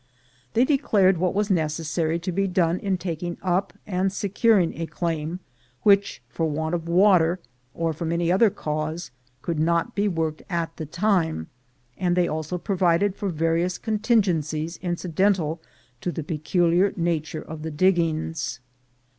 They declared what was necessary to be done in taking up and securing a claim which, for want of water, or from any other cause, could not be worked at the time; and they also provided for various contingencies incidental to the peculiar nature of the diggings.